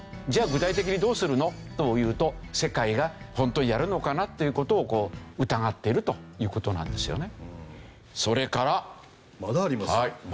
具体的にどうするの？というと世界が本当にやるのかなという事を疑っているという事なんですよね。